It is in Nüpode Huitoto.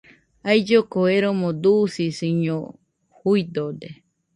Ailloko eromo dusisiño juidode